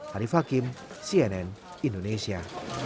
harif hakim cnn indonesia